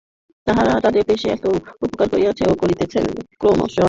তাঁহারা আমাদের দেশে কত উপকার করিয়াছেন ও করিতেছেন, প্রসঙ্গক্রমে আমি এই কথা বলি।